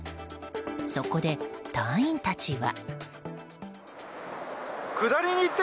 そこで隊員たちは。